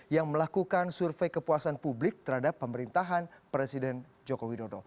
yang melakukan survei kepuasan publik terhadap pemerintahan presiden joko widodo